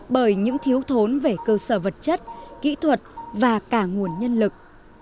bởi những thiếu thốn về cơ sở vật chất kỹ thuật và cả nguồn nhân lực